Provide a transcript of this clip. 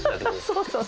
そうそう。